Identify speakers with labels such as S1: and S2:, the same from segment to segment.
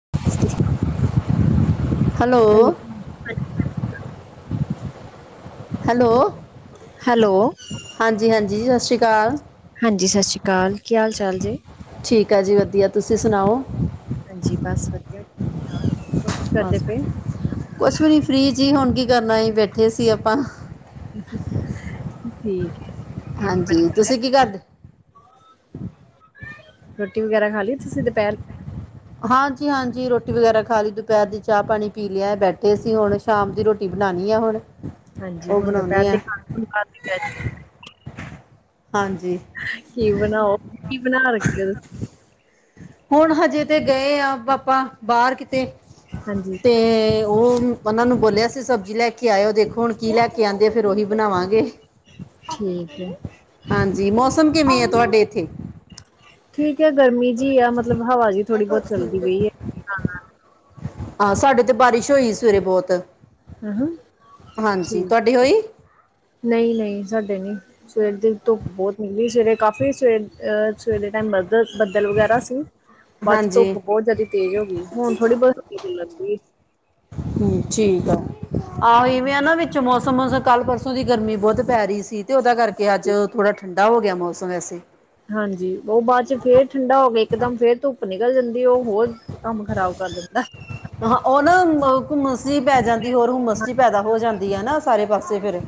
S1: [unintelligible]
S2: Hello, hello,
S1: hello,
S2: ਹਾਂਜੀ ਹਾਂਜੀ ਸ ਸਤਿ ਸ਼੍ਰੀ ਅਕਾਲ
S1: ਹਾਂਜੀ ਸਤਿ ਸ਼੍ਰੀ ਅਕਾਲ, ਕੀ ਹਾਲ ਚਾਲ ਜੇ?
S2: ਠੀਕ ਆ ਜੀ ਵਧੀਆ, ਤੁਸੀਂ ਸੁਣਾਓ?
S1: ਹਾਂਜੀ ਬਸ ਵਧੀਆ ਠੀਕ ਠਾਕ, ਹੋਰ ਕੀ
S2: ਬ
S1: ਕਰਦੇ ਪਏ?
S2: ਕੁਛ ਵੀ ਨੀ ਫ੍ਰੀ ਜੀ ਹੋਣ ਦੀ, ਕਰਨਾ ਹੀ ਬੈਠੇ ਸੀ ਆਪਾਂ
S1: ਠੀਕ, ਹੈ,
S2: ਹਾਂਜੀ ਤੁਸੀਂ ਕੀ ਕਰਦੇ, [unintelligible]
S1: ਰੋਟੀ ਵਗੈਰਾ ਖਾ ਲਈ ਤੁਸੀ ਦੁਪਹਿਰ
S2: ਹਾਂਜੀ ਹਾਂਜੀ, ਰੋਟੀ ਵਗੈਰਾ ਖਾ ਲਈ ਦੁਪਹਿਰ ਦੀ ਚਾਹ ਪਾਣੀ ਪੀ ਲਿਆ ਬੈਠੇ ਅਸੀਂ ਹੁਣ ਸ਼ਾਮ ਦੀ ਰੋਟੀ ਬਣਾਣੀ ਆ ਹੁਣ
S1: ਹਾਂਜੀ
S2: ਉਹ
S1: ਹੁਣ ਦੁਪਹਿਰ
S2: ਬਣਾਉਣੇ
S1: ਦੇ
S2: ਆ
S1: ਖ
S2: ਹਾਂਜੀ
S1: ਕੀ ਬਣਾਓ? ਕੀ ਬਣਾ ਲੱਗੇ ਔ ਤੁਸੀ
S2: ਹੁਣ ਹਜੇ ਤੇ ਗਏ ਆ ਆਪਾ ਬਾਹਰ ਤੇ
S1: ਹਾਂਜੀ
S2: ਤੇ, ਉਹ ਉਹਨਾਂ ਨੂੰ ਬੋਲਿਆ ਸੀ ਸਬਜ਼ੀ ਲੈ ਕੇ ਆਇਓ ਦੇਖੋ ਹੁਣ ਕੀ ਲੈ ਕੇ ਆਦੇ ਆ ਫਿਰ ਉਹੀ ਬਣਾਵਾਂਗੇ।
S1: ਠੀਕ ਹੈ,
S2: ਮੌਮਸ ਕਿਵੇਂ ਆ ਤੁਹਾਡੇ ਇੱਥੇ?
S1: ਠੀਕ, ਗਰਮੀ ਜੀ ਆ ਮਤਲਬ ਹਵਾ ਜਿਹੀ ਥੋੜ੍ਹੀ ਬਹੁਤ ਚੱਲਦੀ ਪਈ ਐ।
S2: ਹਾਂ ਸਾਡੇ ਤੇ ਬਾਰਿਸ਼ ਹੋਈ ਸਵੇਰੇ ਬਹੁਤ
S1: ਹ
S2: ਹਾਂਜੀ
S1: ਠੀਕ
S2: ਤੁਹਾਡੀ
S1: ਹੈ
S2: ਹੋਈ
S1: ਨਹੀਂ-ਨਹੀਂ, ਸਾਡੇ ਨੀ ਸਵੇਰ ਦਿਲ ਤੋਂ ਬਹੁਤ ਮਿਲਦੀ ਸਵੇਰੇ ਕਾਫੀ ਸਵੇਰ ਅਹ ਸਵੇਰ ਦੇ ਟਾਈਮ ਬੱਦਲ-ਬੱਦਲ ਵਗੈਰਾ ਸੀ। ਬਾਅਦ ਚ ਧੁੱਪ
S2: ਹਾਂਜੀ
S1: ਬਹੁਤ ਜਿਆਦਾ ਤੇਜ਼ ਹੋ ਗਈ ਹੁਣ ਥੋੜੀ ਬਹੁਤਾਂ ਹਾ
S2: ਹੂੰ, ਠੀਕ ਐ। ਆਹੋ ਇਵੇਂ ਆ ਨਾ ਵਿੱਚ ਮੌਸਮ ਕੱਲ੍ਹ ਪਰਸੋਂ ਦੀ ਗਰਮੀ ਬਹੁਤ ਪੈ ਰਹੀ ਸੀ ਅਤੇ ਉਹਦਾ ਕਰਕੇ ਅੱਜ ਥੋੜ੍ਹਾ ਠੰਡਾ ਹੋ ਗਿਆ ਮੌਸਮ ਵਸੇ
S1: ਹਾਂਜੀ ਉਹ ਬਾਅਦ ਨਗਲ ਜਾਂਦੀ ਉਹ ਹੋਰ ਕੰਮ ਖ਼ਰਾਬ ਕਰ ਦਿੰਦਾ।
S2: ਹਾਂ ਉਹ ਨਾ ਅ ਹੁੰਮਸ ਪੈ ਜਾਂਦੀ ਹੋਰ ਹੁੰਮਸ
S1: ਹਾਂ
S2: ਪੈਦਾ ਹੋ ਜਾਂਦੀ ਹੈ ਨਾ ਚਾਰੇ ਪਾਸੇ ਫੇਰ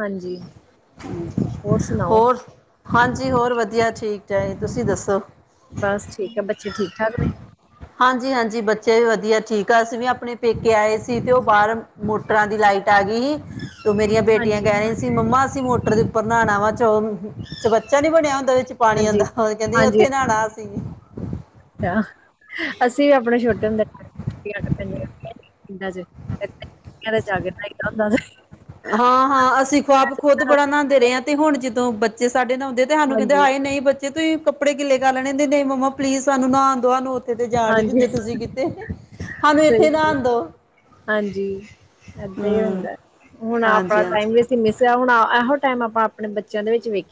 S1: ਹਾਂਜੀ ਹੋਰ ਸੁਣਾਓ
S2: ਹੋਰ ਹਾਂਜੀ ਹੋਰ ਵਧੀਆ ਠੀਕ, ਚਾਹੇ, ਤੁਸੀਂ ਦੱਸੋ?
S1: ਚੱਲਣੇ,
S2: ਹਾਂਜੀ-ਹਾਂਜੀ ਬੱਚੇ ਵੀ ਵਧੀਆ ਠੀਕ ਆ ਅਸੀਂ ਵੀ ਆਪਣੇ ਪੇਕੇ ਆਏ ਸੀ ਤੇ ਉਹ ਬਾਹਰ ਮੋਟਰਾਂ ਦੀ ਲਾਈਟ ਆ ਗਈ ਸੀ ਤੇ ਮੇਰੀਆਂ ਬੇਟੀਆਂ
S1: ਹਾਂਜੀ
S2: ਕਹਿ ਰਹੀ ਸੀ ਮੰਮਾ ਅਸੀਂ ਮੋ ਦੇ ਉੱਪਰ ਨਹਾਣਾ ਵਾ ਚਲ ਚਬੰਚਾ ਨੀ ਬਣਿਆ ਹੁੰਦਾ ਉਹਦੇ ਵਿੱਚ ਪਾਣੀ
S1: ਹਾਂਜੀ
S2: ਆਂਦਾ ਕਹਿੰਦੀ
S1: ਹਾਂਜੀ
S2: ਉੱਥੇ ਨਹਾਣਾ ਅ [unintelligible]
S1: ਅਸੀਂ ਵੀ ਆਪਣੇ ਛੋਟੇ ਹੁੰਦੇ ਕੇ [unintelligible]
S2: ਹਾਂ ਹਾਂ, ਅਸੀਂ ਖੁਆਬ ਖੁੱਦ ਬੜਾ ਨਾਦੇ ਰਹੇ ਹਾਂ ਤੇ ਹੁਣ ਜਦੋਂ ਜੇ ਸਾਡੇ ਨਾਲ ਤੇ ਸਾਨੂੰ ਕਹਿੰਦੇ
S1: ਹਾਂਜੀ,
S2: ਆਏ ਨਹੀਂ ਬੱਚੇ ਤੁਸੀ ਕੱਪੜੇ ਗਿਲੇ ਕਰ ਲੈਣੇ ਤੇ ਮੰਮਾ ਪਲੀਜ਼ ਸਾਨੂੰ ਨਹਾਣ ਦੋ ਤੇ ਜਾਣ ਨੀ
S1: ਹਾਂਜੀ
S2: ਦਿੰਦੇ ਤੁਸੀਂ ਕਿਤੇ ਸਾਨੂੰ
S1: ਸਹੀ
S2: ਇੱਥੇ
S1: ਗੱਲ
S2: ਨਾਣ ਦੋ
S1: ਹਾਂਜੀ। ਏਦਾਂ ਹੀ
S2: ਹਮ
S1: ਹੁੰਦਾ ਹੁਣ ਆਪਣਾ
S2: ਹਾਂਜੀ ਹਾਂਜੀ
S1: ਟਾਈਮ ਵੀ ਅਸੀਂ ਮਿਸ ਹੁਣ ਟਾਈਮ ਆਪਾਂ ਆਪਣੇ ਬੱਚਿਆਂ ਦੇ ਵਿੱਚ ਵੇਖ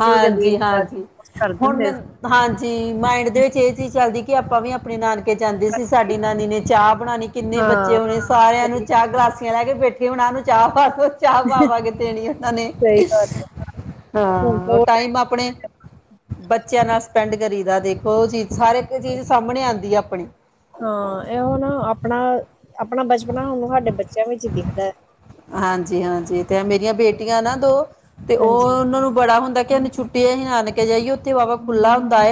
S2: ਹਾਂਜੀ ਹਾਂਜੀ,
S1: ਕਰ
S2: ਹੁਣ
S1: ਦਿੰਦੇ
S2: ਮੈਂ
S1: ਸੀ
S2: ਹਾਂਜੀ ਮਾਇੰਡ ਦੇ ਵਿੱਚ ਇਹ ਚੀਜ਼ ਚੱਲਦੀ, ਕਿ ਆਪਾਂ ਵੀ ਆਪਣੇ ਨਾਨਕ ਕੇ ਜਾਂਦੀ ਸੀ ਸਾਡੀ ਨਾਨੀ ਨੇ ਚਾਹ ਬਣਾਣੀ ਕਿੰਨੇ
S1: ਹਾਂ।
S2: ਬੱਚੇ ਹੋਣੇ ਸਾਰਿਆਂ ਨੂੰ
S1: ਸਹੀ
S2: ਚਾਹ ਗਲਾਸੀਆਂ ਲੈ ਕੇ ਬੈਠੇ ਹੋਣਾ ਨੂੰ ਚਾਹ ਪਾਤ ਚਾਹ ਪਾ-ਪਾ ਕੇ ਦੇਣੀ ਉਨ੍ਹਾਂ ਨੇ
S1: ਸਹੀ ਗੱਲ ਹੈ ਹੁਣ ਤਾਂ
S2: ਹਾਂ
S1: ਉਹ
S2: ਟਾਈਮ ਆਪਣੇ [inaudible] ਬੱਚਿਆਂ ਨਾਲ ਸਪੈਂਡ ਕਰੀ ਦਾ ਦੇਖੋ ਉਹ ਚੀਜ਼ ਸਾਰੇ ਇੱਕ ਚੀਜ਼ ਸਾਹਮਣੇ ਆਉਂਦੀ ਆ ਆਪਣੀ
S1: ਹਾਂ ਇਹੋ ਨਾ ਆਪਣਾ ਆਪਣਾ ਬਚਪਨਾ ਉਹਨੂੰ ਸਾਡੇ ਬੱਚਿਆਂ ਵਿੱਚ ਹੀ ਦਿਖਦਾ ਹੈ।
S2: ਹਾਂਜੀ -ਹਾਂਜੀ। ਤੇ ਮੇਰੀਆਂ ਬੇਟੀਆਂ ਨਾ ਦੋ ਤੇ ਉਹ
S1: ਹਾਂਜੀ
S2: ਉਹਨਾਂ ਨੂੰ ਬੜਾ ਹੁੰਦਾ ਕਿਾਨੂੰ ਛੁੱਟੀ ਅਸੀਂ ਨਾਨਕੇ ਜਾਈਏ ਉੱਥੇ ਬਾ ਖੁੱਲਾ ਹੁੰਦਾ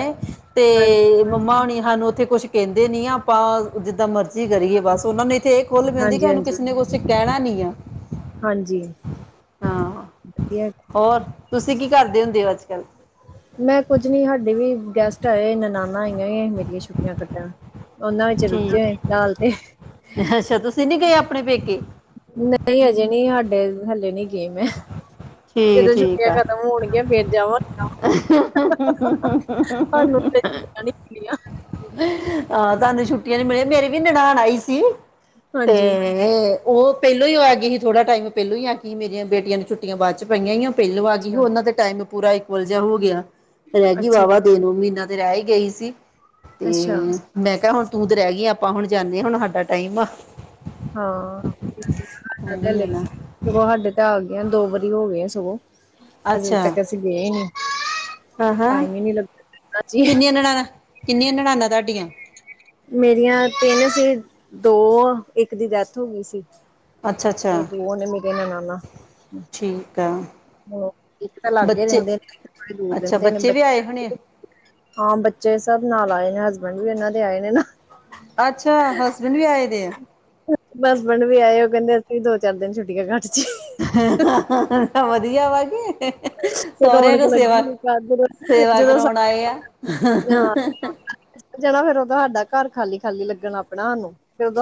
S2: ਤੇ
S1: ਹਾਂਜੀ
S2: ਮੰਮਾ ਹੁਣੀ ਸਾਨੂੰ ਉੱਥੇ ਕੁਛ ਕਹਿੰਦੇ ਨੀ ਆ ਆਪਾਂ ਜਿੱਦਾਂ ਮਰਜ਼ੀ ਕਰੀਏ ਬਸ ਉਹਨਾਂ ਨੇ ਇੇ ਖੁੱਲ ਮਿਲਦੀ ਕਿ
S1: ਹਾਂਜੀ
S2: ਉਹਾਨੂੰ
S1: ਹਾਂਜੀ
S2: ਕਿਸੇ ਨੇ ਕੁਛ ਕਹਿਣਾ ਨੀ [unintelligible]
S1: ਹਾਂਜੀ
S2: ਹਾਂ
S1: ਵਧੀਆ।
S2: ਹੋਰ ਤੁਸੀਂ ਕੀ ਕਰਦੇ ਹੁੰਦੇ ਹੋ ਅੱਜ ਕੱਲ
S1: ਮੈਂ ਕੁੱਝ ਨੀ ਹਾਡੇ ਵੀ ਗੈਸਟ ਆਏ ਨਨਾਨਾ ਆਈਆਂ ਮੇਰੀਆਂ ਛੁੱਟੀਆਂ ਕੱਟਣ ਉਹਨਾਂ ਵਿੱਚ ਰੁੱਝੇ ਹੋਏ
S2: ਠੀਕ
S1: ਦਾਲ ਤੇ
S2: ਅੱਛਾ ਤੁਸੀਂ ਨੀ ਗਏ ਆਪਣੇ ਪੇਕੇ?
S1: ਨਹੀਂ ਅਜੇ ਨਹੀਂ ਸਾਡੇ ਹਲੇ ਨੀ ਗਈ ਮੈ
S2: ਠੀਕ
S1: ਜਦੋਂ
S2: ਠੀਕ
S1: ਛੁੱਟੀਆਂ
S2: ਆ
S1: ਖਤਮ ਹੋਣਗੀਆਂ ਫਿਰ ਜਾਵਾਂ ਸਾਨੂੰ ਹਜੇ ਛੁੱਟੀਆਂ ਨੀ ਮਿਲਿਆਂ।
S2: ਹਾਂ ਤੁਹਾਨੂੰ ਛੁਟੀਆਂ ਨੀ ਮਿਲੀਆਂ ਮੇਰੇ ਵੀ ਨਨਾਣ ਆਈ ਸੀ। ਤੇ
S1: ਹਾਂਜੀ
S2: ਉਹ ਪਹਿਲੋਂ ਹੀ ਆਗੀ ਸੀ ਥੋੜਾ ਟਾਈਮ ਪਹਿਲੋਂ ਹੀ ਆ ਗੀ ਸੀ ਮੇਰੀਆਂ ਬੇਟੀਆਂ ਨੂੰ ਛੱਟੀਆਂ ਬਾਅਦ ਚ ਪਈਆਂ ਆ ਪਹਿਲੋਂ ਆ ਗਈ ਸੀ
S1: ਅੱਛਾ
S2: ਉਹਨਾਂ ਦੇ ਟਾਈਮ ਪੂਰਾ ਇੱਕ ਵੱਲ ਜਾ ਹੋ ਗਿਆ। ਰਹਿ ਗਈ
S1: ਅੱਛਾ
S2: ਵਾਹਵਾ
S1: ਅੱਛਾ
S2: ਦੋ-ਦੋ ਮੀਨਾ। ਰਹਿ ਹੀ ਗਈ ਸੀ। ਤੇ
S1: ਅੱਛਾ
S2: ਮੈਂ ਕਿਹਾ ਹੁਣ ਤੂੰ ਤੇ ਰਹਿ ਗਈ ਆਪਾਂ ਹੁਣ ਜਾਂਦੇ ਹਾਂ ਹੁਣ ਸਾਡਾ ਟਾਈਮ ਆ।
S1: ਹਾ ਬਦਲ
S2: ਨਹੀਂ ਨਾ
S1: ਲੇਗੀ‌ ਸਗੋ ਸਾਡੇ ਤਾਂ ਆਗੀ। ਦੋ ਵਾਰੀ ਹੋਗੀ। ਸਗੋਂ ਹਜੇ ਤੱਕ ਅਸੀਂ ਗਏ ਈ ਨੀ-
S2: ਆਹ ਹਾਂ
S1: ਜੀ
S2: ਕਿੰਨੀ ਨਨਾਣ ਕਿੰਨੀਆਂ ਨਣਾਨਾਂ ਤੁਹਾਡੀਆਂ
S1: ਮੇਰੀਆਂ ਤਿੰਨ ਸੀ ਦੋ ਇੱਕ ਦੀ ਡੈਥ ਹੋ ਗਈ ਸੀ।
S2: ਅੱਛਾ
S1: ਤੇ
S2: ਅੱਛਾ
S1: ਦੋ ਨੇ ਮੇਰੇ ਨਨਾਣਾ
S2: ਠੀਕ ਆ
S1: ਤਾਂ ਲਾਗੇ
S2: ਬੱਚੇ
S1: ਰਹਿੰਦੇ ਨੇ ਦੂਰ
S2: ਅੱਛਾ
S1: ਰਹਿੰਦੇ ਨੇ
S2: ਬੱਚੇ
S1: ਬ
S2: ਵੀ ਆਏ ਹੋਣੇ
S1: ਹਾਂ ਬੱਚੇ ਸਭ ਨਾਲ ਆਏ ਨੇ ਵੀ ਇਹਨਾਂ ਦੇ ਆਏ ਨੇ ਨਾ
S2: ਅੱਛਾ ਹਸਬੈਂਡ ਵੀ ਆਏ ਦੇ ਆ।
S1: ਹਸਬੈਂਡ ਵੀ ਆਏ ਉਹ ਕਹਿੰਦੇ ਅਸੀਂ ਵੀ ਦੋ ਚਾਰ ਦਿਨ ਛੁੱਟਿਆ
S2: ਵਧੀਆ
S1: ਫਿਰ
S2: ਸਹੁਰਿਆਂ
S1: ਰੌਣਕ
S2: ਕੋ ਸੇਵਾ
S1: ਲੱਗੀ ਹੋਧਰ ਜਦੋਂ
S2: ਹਾਂ
S1: ਜਾਣਾ ਫਿਰ ਉਹ ਤਾਂ ਸਾਡਾ ਘਰ ਖਾਲੀ ਖਾਲੀ ਲੱਗਣ ਆਪਣਾ ਹਨੂ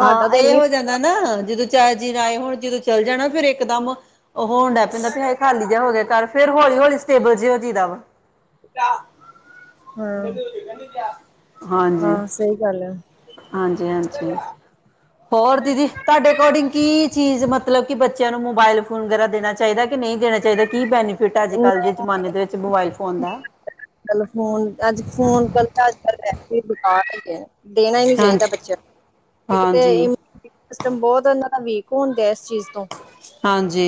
S2: ਹਾਂ ਇਹ ਹੋ ਜਾਂਦਾ ਨਾ ਜਦੋਂ ਚਾਹ ਰਾਏ ਹੁਣ ਜਦੋਂ ਚੱਲ ਜਾਣਾ ਫਿਰ ਇੱਕਦਮ ਉਹ ਹੋਣ ਡ ਪੈਂਦਾ ਵੀੇ ਖਾਲੀ ਜਿਹਾ ਹੋ ਗਿਆ ਘਰ ਫਿਰ ਹੌਲੀ ਹੌਲੀ ਸੇਬਲ ਚ ਹੋ ਚੀਦਾ ਵਾ
S1: ਗ
S2: ਹਾਂਜੀ ਹਾਂਜੀ ਹਾਂਜੀ
S1: ਹੈ
S2: ਹੋਰ ਦੀਦੀ ਤੁਹਾਡੇ ਅਕੋਡਿੰਗ ਕੀ ਚੀਜ਼ ਮ ਮਤਲਬ ਕਿ ਬੱਚਿਆਂ ਨੂੰ ਮੋਬਾਇਲ ਫੋਨ ਵਗੈਰਾ ਦੇਣਾ ਚਾਹੀਦਾ ਕਿ ਨਹੀਂ ਦੇਣਾ ਚਾਹੀਦਾ। ਕੀ ਬੈਨੀਫਿਟ ਹੈ ਅੱਜ ਕੱਲ੍ਹ ਦੇ ਜਮਾਨੇ ਦੇ ਵਿੱਚ ਮੋਬਾਇਲ ਫੋਨ ਦਾ
S1: ਕੱਲ ਫੋਨ ਅੱਜ ਫੋਨ ਕਰ ਅੱਜ ਕ ਪਸੇ ਬੁਖਾਰ ਹੈ ਏ ਨੇ। ਦੇਣਾ ਹੀ ਨੀ ਚਾਹੀਦਾ
S2: ਹਾਂਜੀ
S1: ਬੱਚਿਆਂ
S2: ਹਾਂਜੀ
S1: ਨੂੰ ਸਟਮ ਬਹੁਤ ਉਹਨਾਂ ਦਾ ਵੀਕ ਕੌਣ ਦ ਇਸ ਚੀਜ਼ ਤੋਂ
S2: ਹਾਂਜੀ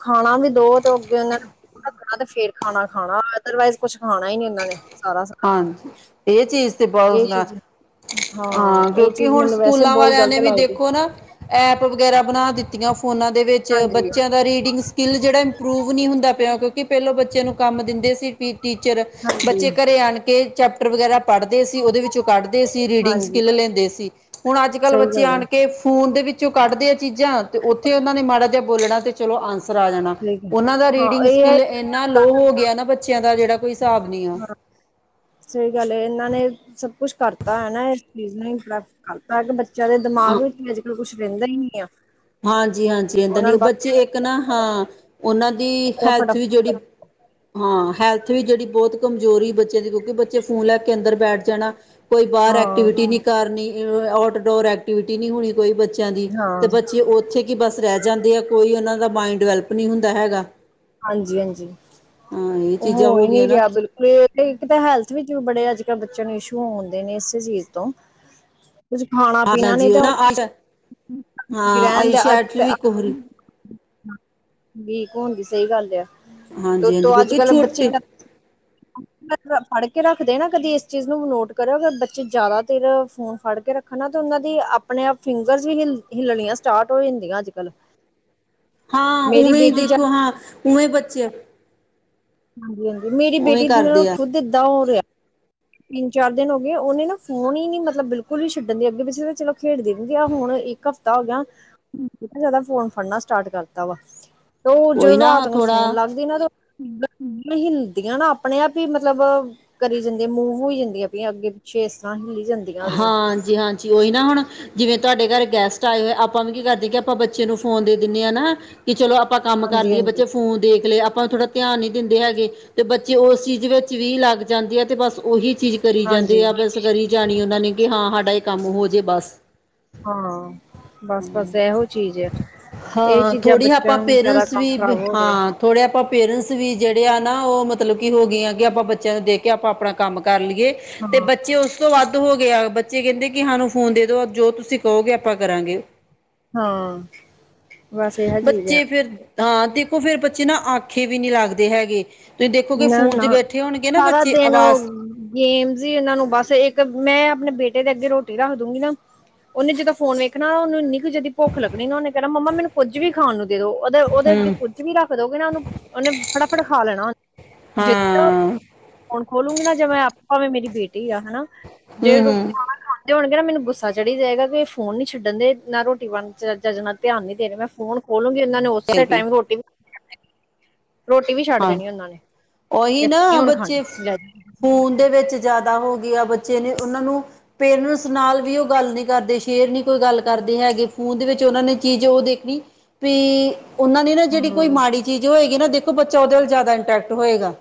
S1: ਖਾਣਾ ਵੀ ਦੋ ਤੇ ਅੱਗੇ ਉਹਨਾਂ ਅੱਗੇ ਰੱਖਣਾ ਤੇ ਫੇਰ ਖਾਣਾ ਖਾਣਾ ਅਦਰਵਾਈਜ਼ ਕੁੱਛ ਖਾਣਾ ਹੀ ਨੀ ਉਹਨਾਂ ਨੇ ਸਾਰਾ ਸਾਰਾ
S2: ਹਾਂਜੀ ਇਹ ਚੀਜ਼ ਬਹੁਤ
S1: ਇਹ
S2: ਸੁਣਾ
S1: ਚੀਜ਼
S2: ਹਾਂ
S1: ਇਹ
S2: ਕਿਉਂਕਿ
S1: ਚੀਜ਼
S2: ਹੁਣ
S1: ਮੈਨੂੰ ਵੈਸੇ
S2: ਸਕੂਲਾਂ
S1: ਬਹੁਤ
S2: ਵਾਲਿਆਂ ਨੇ
S1: ਗ਼ਲਤ
S2: ਵੀ
S1: ਲੱਗਦੀ
S2: ਦੇਖੋ ਨਾ ਐਪ ਵਗੈਰਾ ਬਣਾ ਦਿੱਤੀਆਂ। ਫੋਨਾਂ ਦੇ ਵਿੱਚ
S1: ਹਾਂਜੀ
S2: ਬੱਚਿਆਂ ਦਾ ਰੀਡਿੰਗ ਸਕਿੱਲ ਜਿਹੜਾ ਇੰਪਰੂਵ ਨਹੀਂ ਹੁੰਦਾ ਪਿਆ ਕਿਉਂਕਿ ਪਹਿਲੋਂ ਬੱਚਿਆਂ ਨੂੰ ਕੰਮ ਦਿੰਦੇ ਸੀ ਟੀਚਰ
S1: ਹਾਂਜੀ
S2: ਬੱਚੇ ਕੋ ਘਰੇ ਆਣ ਕੇ ਚੈਪਟਰ ਵਗੈਰਾ ਪੜ੍ਹਦੇ ਸੀ ਓਦੇ ਵਿੱਚੋਂ ਕੱਢਦੇ ਸੀ ਰੀਡਿੰਗ
S1: ਹਾਂਜੀ
S2: ਸਕਿੱਲ ਲੈਂਦੇ ਸੀ ਹੁਣ ਅੱਜ ਕੱਲ੍ਹ
S1: ਸਹੀ
S2: ਬੱਚੇ
S1: ਗੱਲ ਹੈ
S2: ਆਣ ਕੇ ਫੋਨ ਦੇ ਵਿੱਚੋਂ ਕੱਢਦੇ ਆ ਚੀਜ਼ਾਂ ਤੇ ਉੱਥੇ ਉਨਾਂ ਨੇ ਮਾੜਾ ਜਾ ਬੋਲਣਾ ਤੇ ਚਲੋ ਆਂਸ ਸਰ ਆ ਜਾਣਾ
S1: ਠੀਕ ਹੈ
S2: ਓਨਾਂ ਦਾ
S1: ਹਾਂ
S2: ਰੀਡਿੰਗ
S1: ਇਹ ਹੈ
S2: ਸਕਿੱਲ ਇੰਨਾ ਲੋ ਹੋ ਗਿਆ ਨਾ ਬੱਚਿਆਂ ਦਾ ਜਿਹੜਾ ਕੋਈ ਹਿਸਾਬ ਨਈ ਆ
S1: ਸਈ ਗੱਲ ਐ ਏਨਾਂ ਨੇ ਸਭ ਕੁੱਛ ਕਰਤਾ ਹੈਨਾ ਇਸ ਚੀਜ਼ ਨੂੰ ਕਰਤਾ [unintelligible] ਜਾਦੇ ਦਿਮਾਗ ਵਿੱਚ ਅੱਜ ਕੱਲ ਕੁੱਛ [unintelligible] ਰਹਿੰਦਾ ਹੀ ਨਹੀਂ ਹੈ
S2: ਹਾਂਜੀ ਹਾਂਜੀ ਇਦ ਨੀ ਬੱਚੇ ਇੱਕ ਨਾ ਹਾਂ ਓਨਾਂ ਦੀ ਹੈਲਥ ਵੀ
S1: ਫਟਾਫਟ
S2: ਜੇੜੀ ਹਾਂ ਹੈਲਥ ਵੀ ਜੇੜੀ ਬੋਤ ਕਮਜ਼ੋਰੀ ਬੱਚੇ ਦੇ ਕਿਉਂਕਿ ਬੱਚੇ ਫੋਨ ਲੈ ਕੇ ਅੰਦਰ ਬੈਠ ਹੈਨਾ ਕੋਈ ਬਾਰ
S1: ਹਾਂ
S2: ਐਕਟੀਵਿਟੀ ਨੀ ਕਰਨੀ ਆਊਟਡੋਰ ਐਕਟੀਵਿਟੀ ਨੀ ਹੋਣੀ ਕੋਈ ਬੱਚਿਆਂ ਦੀ ਤੇ
S1: ਹਾਂ
S2: ਬੱ ਓ ਕੀ ਬਸ ਰੈ ਜਾਂਦੇ ਆ ਕੋਈ ਓਨਾਂ ਦਾ ਮਾਇੰਡ ਡਿਵੈਲਪ ਨੀ ਹੁੰਦਾ ਹੈਗਾ
S1: ਹਾਂਜੀ ਹਾਂਜੀ
S2: ਹਾਂ ਇਹ
S1: ਓ ਹੋ
S2: ਚੀਜ਼ਾਂ
S1: ਈ ਨੀ
S2: ਗਈਆਂ ਨਾ
S1: ਰਿਆ ਬਿਲਕੁੱਲ ਏ ਇਕ ਤੇ ਹੈਲਥ ਵਿੱਚ ਵੀ ਬੜੇ ਅੱਜ ਛੋਟੇ ਬੱਚਿਆਂ ਨੂੰ ਇਸ਼ੂ ਆਉਂਦੇ ਨੇ ਇਸੇ ਚੀਜ਼ ਤੋਂ ਕੁੱਛ ਖਾਣਾ ਪੀਣਾ ਨੀ
S2: ਹਾਂਜੀ-ਹਾਂਜੀ
S1: ਤ
S2: ਨਾ ਹਾਂ
S1: ਰਹਿਣ
S2: ਆਈ
S1: ਦੇ ਅੱਖ
S2: ਸ਼ੈਟ ਵੀ ਇੱਕ ਹੋਰੀ
S1: ਵੀਕ ਹੋਣ ਦੀ ਸਈ ਗੱਲ ਆ ਤੇ
S2: ਹਾਂਜੀ-ਹਾਂਜੀ
S1: ਤੋਂ ਅੱਜ
S2: ਕਿਉਂਕਿ
S1: ਕੱਲ ਬੱਚੇ
S2: ਛੋਟੇ
S1: ਫੜ ਕੇ ਰੱਖਦੇ ਨਾ ਕਦੀ ਇਸ ਚੀਜ਼ ਨੂੰ ਨੋਟ ਕਰਿਓ ਅ ਬੱਚੇ ਜ਼ਿਆਦਾ ਤੇਰ ਫੋਨ ਫੜ ਕੇ ਰੱਖਣ ਤਾਂ ਓਨਾਂ ਦੀ ਆਪਣੇ ਆਪ ਫਿੰਗਰਸ ਵੀ ਹਿੱਲ ਹਿੱਲਣੀਆਂ ਸਟਾਰਟ ਹੋ ਜਾਂਦੀਆਂ ਅੱਜ ਕੱਲ੍ਹ
S2: ਹਾਂ
S1: ਮੇਰੀ
S2: ਉਵੇਂ ਹੀ
S1: ਬੇਟੀ ਜਾ
S2: ਦੇਖੋ ਹਾਂ ਉਵੇਂ ਬੱਚੇ
S1: ਹਾਂਜੀ-ਹਾਂਜੀ ਮੇਰੀ
S2: ਉਵੇਂ
S1: ਬੇਟੀ ਨਾ
S2: ਕਰਦੇ ਆ
S1: ਖੁੱਦ ਦਾ ਹੋ ਰਿਆ ਤਿੰਨ ਚਾਰ ਦਿਨ ਹੋ ਗਏ ਓਨੇ ਨਾ ਫੋਨ ਈ ਨੀ ਮਤਲਬ ਬਿਲਕੁੱਲ ਈ ਛੱਡਣ ਦੀ ਅੱਗੇ ਪਿੱਛੇ ਤਾਂ ਚਲੋ ਖੇਡਦੇ ਹੁਣ ਇੱਕ ਹਫ਼ ਤਾ ਹੋ ਗਿਆ ਜਾਦਾ ਫੋਨ ਫੜਨਾ ਸਟਾਰਟ ਕਰਤਾ ਵਾ ਤੇ ਓ
S2: ਉਹੀ
S1: ਜਦੋ
S2: ਨਾ
S1: ਰਾਤ ਨੂੰ ਸੋਣ
S2: ਥੋੜਾ
S1: ਲੱਗਦੀ ਨਾ ਤੇ ਹਿੰਲਦੀਆਂ ਨਾ ਆਪਣੇ ਆਪ ਈ ਮਤਲਬ ਕਰੀ ਜਾਂ ਤੇ ਮੂਵ ਹੋਈ ਜਾਂਦੀਆਂ ਪਈਆ ਅੱਗੇ ਪਿੱਛੇ ਇਸ ਤਰ੍ਹਾਂ ਹਿਲੀ
S2: ਹਾਂਜੀ ਹਾਂਜੀ ਓ ਈ ਨਾ ਹੁਣ ਜਿਵੇਂ ਤੁਹਾਡੇ ਘਰ ਗੈਸਟ ਆਏ ਹੋਏ ਆਪਾਂ ਵੀ ਕੀ ਕਰਦੇ ਕਿ ਆਪਾਂ ਬੱਚੇ ਨੂੰ ਫੋਨ ਦੇ ਦਿੰਨੇ ਆ ਨਾ ਕਿ ਚਲੋ ਆਪਾਂ ਕੰਮ ਕਰ
S1: ਹਾਂਜੀ
S2: ਲਈਏ
S1: ਹਾਂਜੀ
S2: ਬੱਚੇ ਫੋਨ ਦੇਖ ਲੇ ਆਪਾਂ ਥੋੜਾ ਧਿਆਨ ਨੀ ਦਿੰਦੇ ਹੈਗੇ ਤੇ ਬੱਚੇ ਉਸ ਚੀਜ਼ ਵਿੱਚ ਵੀ ਲੱਗ ਜਾਂਦੀ ਹੈ ਤੇ ਬਸ ਉਹੀ ਚੀਜ਼ ਕਰੀ ਜਾਂਦੇ
S1: ਹਾਂਜੀ
S2: ਆ ਬਸ ਕਰੀ ਜਾਣੀ ਉਹਨਾਂ ਨੇ ਕਿ ਹਾਂ ਸਾਡਾ ਇਹ ਕੰਮ ਹੋ ਜੇ ਬਸ
S1: ਹਾਂ ਬਸ ਬਸ ਇਹੋ ਚੀਜ਼ ਹੈ ਇਹ
S2: ਹਾਂ
S1: ਚੀਜ਼ਾਂ
S2: ਥੋੜ੍ਹੀ
S1: ਬੱਚਿਆਂ
S2: ਆਪਾਂ
S1: ਨੂੰ ਜਿਆਦਾ ਕੰਮ ਖ਼ਰਾਬ ਹੋ ਰਿਹਾ
S2: ਪੇਰਟਸ ਵੀ ਜਿਹੜੇ ਆ ਨਾ ਉਹ ਮਤਲਬ ਹੋ ਗਈਆਂ ਕਿ ਆਪਾਂ ਬੱਚਿਆਂ ਨੂੰ ਦੇਖ ਕੇ ਆਪਾਂ ਆਪਣਾ ਕੰਮ ਕਰ ਲਈਏ ਤੇ
S1: ਹਾਂ
S2: ਬੱਚੇ ਉਸ ਵੱਧ ਹੋ ਗਿਆ ਬੱਚੇ ਕਹਿੰਦੇ ਕਿ ਸਾਨੂੰ ਫੋਨ ਦੇ ਦੋ ਜੋ ਤੁਸੀਂ ਕਹੋਗੇ ਆਪਾਂ ਕਰਾਂਗੇ
S1: ਹਾਂ ਬਸ ਇਹ ਜੀ ਰਿਹਾ
S2: ਉਹ ਫਿਰ ਬੱਚੇ ਨਾ ਆਖੇ ਵੀ ਨਹੀਂ ਲੱਗਦੇ ਹੈਗੇ ਤੁਸੀਂ ਦੇਖੋਗੇ
S1: ਨਾ
S2: ਫੋਨ 'ਚ
S1: ਨਾ
S2: ਬੈਠੇ ਹੋਣਗੇ ਨਾ
S1: ਸਾਰਾ
S2: ਬੱਚੇ
S1: ਦਿੰਨ
S2: ਆਵਾਜ਼
S1: ਗੇਮਸ ਹੀ ਇਹਨਾਂ ਨੂੰ ਬਸ ਇੱਕ ਮੈਂ ਆਪਣੇ ਬੇਟੇ ਦੇ ਅੱਗੇ ਰੋਟੀ ਰੱਖ ਦੂੰਗੀ ਨਾ ਉਹਨੇ ਜਦੋਂ ਫੋਂਨ ਵੇਖਣਾ ਉਹਨੂੰ ਇੰਨੀ ਕੁ ਜਾਦੀ ਭੁੱਖ ਲੱਗਣੀ ਨਾ ਉਹਨੇ ਕਹਿਣਾ ਮੰਮਾ ਮੈਨੂੰ ਕੁੱਝ ਵੀ ਖਾਣ ਨੂੰ ਦੇ ਦੋ ਉਹਦੇ ਉਹਦੇ ਅੱਗੇ
S2: ਹੂੰ
S1: ਕੁੱਝ ਵੀ ਰੱਖ ਦੋਗੇ ਨਾ ਉਹਨੂੰ ਉਹਨੇ ਫਟਾਫੱਟ ਖਾ ਲੈਣਾ ਜਿੱਦਾ
S2: ਹਾਂ
S1: ਫੋਂਨ ਖੋਲੂੰਗੀ ਨਾ ਜੇ ਮੈਂ ਆਪ ਭਾਵੇਂ ਮੇਰੀ ਬੇਟੀ ਆ ਹਨਾ
S2: ਹੂੰ ਹੂੰ
S1: ਤੇ ਹੁਣ ਕੀ ਨਾ ਮੈਨੂੰ ਗੁੱਸਾ ਚੜੀ ਜਾਏਗਾ ਵੀ ਫੋਨ ਨੀ ਛੱਡਣ ਦੇ ਨਾ ਰੋਟੀ ਬਣਨ ਚੱਜ ਧਿਆਨ ਨੀ ਦੇ ਰਹੇ ਮੈਂ ਫੋਨ ਖੋਲੂੰਗੀ ਇਹਨਾਂ ਨੇ ਉਸੇ
S2: ਹੂੰ
S1: ਟਾਈਮ ਰੋਟੀ ਵੀ ਖਾ ਰੋਟੀ ਵੀ ਛੱਡ
S2: ਹਾਂ
S1: ਦੇਣੀ ਉਹਨਾਂ ਨੇ
S2: ਉਹੀ
S1: ਨੀ
S2: ਨਾ
S1: ਹੁਣ
S2: ਬੱਚੇ
S1: ਖਾਣੀ ਲੈ
S2: ਫੋਨ ਦੇ ਵਿੱਚ ਜ਼ਿਆਦਾ ਹੋ ਗਏ ਬੱਚੇ ਨੇ ਉਹਨਾਂ ਨੂੰ ਪੇਰੈਂਟਸ ਨਾਲ ਵੀ ਉਹ ਗੱਲ ਨੀ ਕਰਦੇ ਸ਼ੇਅਰ ਨੀ ਕੋਈ ਗੱਲ ਕਰਦੇ ਹੈਗੇ ਫੋਨ ਦੇ ਵਿੱਚ ਉਹਨਾਂ ਨੇ ਕੀ ਜੋ ਉਹ ਦੇਖਣੀ ਵੀ ਉਹਨਾਂ ਨੇ ਨਾ ਜਿਹੜੀ ਕੋਈ
S1: ਹੂੰ,
S2: ਮਾੜੀ ਚੀਜ਼ ਉਹ [unintelligible] ਤੋਂ ਬੱਚਾ ਉਹਦੇ ਨਾਲ ਜ਼ਿਆਦਾ ਇੰਟੈਕਟ ਹੋਏਗਾ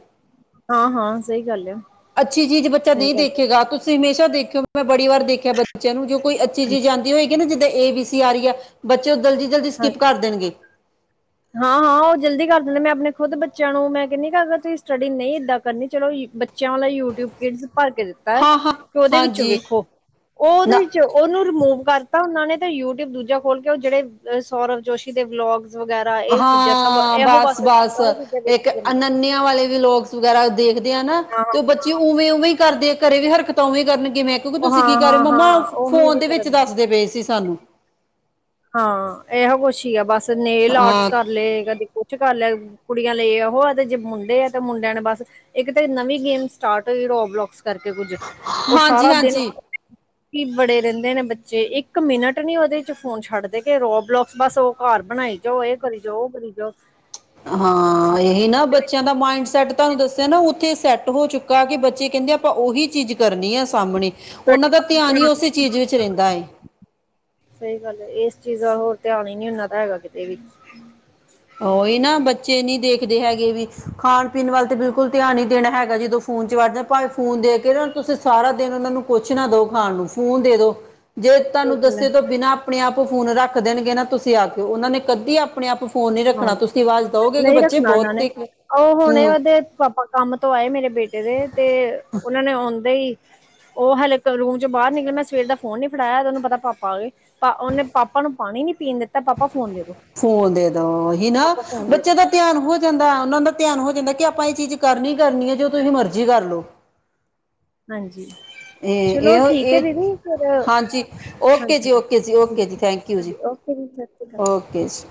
S1: ਹਾਂ ਹਾਂ ਸਹੀ ਗੱਲ ਆ
S2: ਅੱਛੀ ਚੀਜ਼ ਬੱਚਾ ਨਹੀਂ ਦੇਖੇਗਾ ਤੁਸੀਂ ਹਮੇਸ਼ਾ ਦੇਖਿਓ ਮੈਂ ਬੜੀ ਵਾਰ ਦੇਖਿਆ ਬੱਚਿਆਂ ਨੂੰ ਜੋ ਕੋਈ ਅੱਛੀ ਚੀਜ਼ ਆਉਂਦੀ ਹੋਏਗੀ ਨਾ ਜਿੱਦਾਂ ਏ ਬੀ ਸੀ ਆ ਰਹੀ ਹੈ ਬੱਚੇ ਤੇ ਜਲਦੀ ਜਲਦੀ ਸਕਿਪ ਕਰ ਦੇਣਗੇ।
S1: ਹਾਂ ਹਾਂ ਉਹ ਜਲਦੀ ਕਰ ਦਿੰਦੇ ਮੈਂ ਆਪਣੇ ਖੁਦ ਬੱਚਿਆਂ ਨੂੰ ਮੈਂ ਕਹਿ‌ਨੀ ਅ ਕੀ ਅਗਰ ਤੁਸੀਂ ਸਟੱਡੀ ਨਹੀਂ ਏਦਾਂ ਕਰਨੀ ਚਲੋ ਯੂ ਬੱਚਿਆਂ ਵਾਲਾ ਯੂਟਿਊਬ ਕਿ ਭਰ ਕੇ ਦਿੱਤਾ ਹੈ
S2: ਹਾਂ ਹਾਂ
S1: ਉਹਦੇ ਵਿੱਚੋਂ
S2: ਹਾਂਜੀ
S1: ਵੇਖੋ, ਉਹਦੇ
S2: ਨਾ
S1: ਵਿੱਚ ਉਹਨੂੰ ਰਿਮੂਵ ਕਰਕੇ ਤਾਂ ਉਹਨਾਂ ਨੇ ਤਾਂ ਯੂਟਿਊਬ ਦੂਜਾ ਖੋਲ ਕੇ ਉਹ ਜਿਹੜੇ ਅ ਸੌਰਵ ਜੋਸ਼ੀ ਦੇ ਵਲੋਗਸ ਵਗੈਰਾ ਇਹ ਚੀਜ਼ਾਂ ਸਭ
S2: ਹਾਂ
S1: ਇਹੋ
S2: ਬਸ ਬਸ
S1: ਇਹੋ ਚੀਜ਼ਾਂ
S2: ਇੱਕ
S1: ਵੇਖੀ ਜਾਂਦੇ ਨੇ।
S2: ਅਨੰਨਿਆ ਵਾਲੇ ਵਲੋਗਸ ਵਗੈਰਾ ਦੇਖ [unintelligible] ਨਾ
S1: ਹਾਂ,
S2: ਤੇ ਬੱਚੇ ਉਵੇਂ ਉਵੇਂ ਕਰਦੇ ਘਰੇ ਵੀ ਹਰਕਤਾਂ ਉਵੇਂ ਈ ਕਰਨ ਮੈਂ ਕਹੂੰਗੀ ਤੁਸੀਂ ਕੀ ਕਰ ਰਹੇ ਹੋ ਮੰਮਾ
S1: ਹਾਂ-ਹਾਂ-ਹਾਂ
S2: ਫ
S1: ਉਹੀ
S2: ਫੋਨ
S1: ਵੀ
S2: ਦੇ ਵਿੱਚ
S1: ਕਰਨ
S2: ਦੱਸਦੇ ਪਏ ਸੀ ਸਾਨੂੰ।
S1: ਹਾਂ ਇਹੋ ਕੁਛ ਹੀ ਆ ਬਸ। ਨੇਲ ਆਰਟਸ
S2: ਹਾਂ
S1: ਕਰ ਲੈ ਕਦੇ ਕੁਛ ਕਰ ਲਿਆ। ਕੁੜੀਆਂ ਲਈ ਉਹ ਤੇ ਜੇ ਮੁੰਡੇ ਆ ਤੇ ਮੁੰਡਿਆਂ ਨੇ ਬਸ, ਇੱਕ ਤੇ ਨਵੀਂ ਗੇਮ ਸਟਾਰਟ ਹੋਈ ਰੋਲੋਕ ਕਰਕੇ ਕੁੱਝ, ਉਹ
S2: ਹਾਂਜੀ
S1: ਸਾਰਾ ਦਿਨ
S2: ਹਾਂਜੀ
S1: ਕੀ ਬੜੇ ਰਹਿੰਦੇ ਨੇ ਬੱਚੇ ਇੱਕ ਮਿੰਨਟ ਨੀ ਉਹਦੇ ਚ ਫੋਨ ਛੱਡ ਦੇ ਕੇ ਰੋ ਬਲੋਕਸ ਬਸ ਉਹ ਘਰ ਬਣਾਈ ਜਾਓ ਇਹ ਕਰੀ ਜਾਓ ਉਹ ਕਰੀ ਜਾਓ।
S2: ਹਾਂ ਇਹੀ ਨਾ ਬੱਚਿਆਂ ਦਾ ਮਾਇੰਡ ਸੈਟ ਤੁਹਾਨੂੰ ਦੱਸਿਆ ਨਾ ਉੱਥੇ ਸੈੱਟ ਹੋ ਚੁੱਕਾ ਕਿ ਬੱਚੇ ਕਹਿੰਦੇ ਆਪਾਂ ਉਹੀ ਚੀਜ਼ ਕਰਨੀ ਹੈ ਸਾਹਮਣੇ, ਉਹਨਾਂ ਦਾ ਧਿਆਨ ਹੀ ਉਸੇ ਚੀਜ਼ ਵਿੱਚ ਰਹਿੰਦਾ ਏ।
S1: ਚੀਜ਼ਾਂ ਹੋਰ ਧਿਆਨ ਹੀ ਨੀ ਉਹਨਾ ਤਾਂ ਹੈਗਾ ਕਿਤੇ ਵੀ।
S2: ਉਹੀ ਨਾ ਬੱਚੇ ਨੀ ਦੇਖਦੇ ਹੈਗੇ ਵੀ, ਖਾਣ ਪੀਣ ਵੱਲ ਤਾਂ ਬਿਲਕੁਲ ਧਿਆਨ ਹੀ ਦੇਣਾ ਹੈਗਾ ਜਦੋਂ ਫੋਨ ਚ ਵੱਡ ਜਾਣ ਭਾਵੇਂ ਫੋਨ ਦੇ ਕੇ ਨਾ ਤੁਸੀਂ ਸਾਰਾ ਦਿਨ ਉਹਨਾਂ ਨੂੰ ਕੁੱਛ ਨਾ ਦਓ ਖਾਣ ਨੂੰ ਫੋਨ ਦੇ ਦੋ। ਜੇ ਤੁਹਾਨੂੰ
S1: ਗੱਲ ਹੈ
S2: ਦੱਸੇ ਤੋਂ ਬਿਨਾਂ ਆਪਣੇ ਆਪ ਉਹ ਫੋਨ ਰੱਖ ਦੇਣਗੇ ਨਾ ਤੁਸੀਂ ਆ ਕੇਓ ਉਹਨਾਂ ਨੇ ਕਦੀ ਆਪਣੇ ਆਪ ਫੋਨ ਨੀ
S1: ਹਾਂ,
S2: ਰੱਖਣਾ ਤੁਸੀਂ ਆਵਾਜ਼ ਦਓਗੇ ਕਿ
S1: ਨਹੀਂ
S2: ਬੱਚੇ
S1: ਰੱਖਣਾ ਇਹਨਾਂ
S2: ਬਹੁਤ
S1: ਨੇ
S2: ਤੇਜ਼
S1: ਉਹ ਹੁਣੇ
S2: ਹੂੰ
S1: ਉਹਦੇ ਪਾਪਾ ਕੰਮ ਤੋਂ ਆਏ ਮੇਰੇ ਬੇਟੇ ਦੇ ਤੇ ਉਹਨਾਂ ਨੇ ਆਉਂਦੇ ਹੀ ਉਹ ਹਲੇ ਕ ਰੂਮ ਚ ਬਾਹਰ ਨਿਕਲ ਮੈਂ ਸਵੇਰ ਦਾ ਫੋਨ ਨੀ ਫੜਾਇਆ ਉਹਨੂੰ ਪਤਾ ਪਾਪਾ ਆ ਗੇ। ਤਾਂ ਉਹਨੇ ਪਾਪਾ ਨੂੰ ਪਾਣੀ ਨੀ [unintelligible] ਪੀਣ ਦਿੱਤਾ ਤਾਂ ਪਾਪਾ ਫੋਨ ਦੇ ਦੋ।
S2: ਅ ਉਹੀ ਨਾ
S1: ਪਾਪਾ ਫੋਨ ਦੇ ਦੋ
S2: ਬੱਚਿਆਂ ਦਾ ਧਿਆਨ ਹੋ ਜਾਂਦਾ ਉਹਨਾਂ ਦਾ ਧਿਆਨ ਹੋ ਜਾਂਦਾ ਕਿ ਆਪਾਂ ਇਹ ਚੀਜ਼ ਕਰਨੀ ਈ ਕਰਨੀ ਆ ਜੋ ਤੁਸੀਂ ਮਰਜ਼ੀ ਕਰ ਲੋ।
S1: ਹਾਂਜੀ
S2: ਇਹ
S1: ਚਲੋ
S2: ਇਹ ਅ
S1: ਠੀਕ ਹੈ
S2: ਇਹ
S1: ਦੀਦੀ ਫਿਰ
S2: ਹਾਂਜੀ ਓਕੇ
S1: ਹਾਂਜੀ
S2: ਜੀ ਓਕੇ ਜੀ ਓਕੇ
S1: ਹਾਂਜੀ
S2: ਜੀ ਥੈਂਕ ਯੂ ਜੀ,
S1: ਹਾਂਜੀ, ਓਕੇ ਜੀ ਸਤਿ ਸ਼੍ਰੀ ਅਕਾਲ
S2: ਓਕੇ ਜੀ।